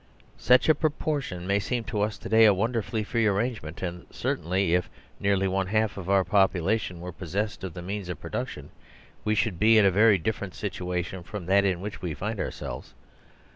Such a proportion may seem to us to day a wonder fully free arrangement, and certainly if nearly one half of our population were possessed of the means of production, we should be in a very different situa tion from that in which we find ourselves.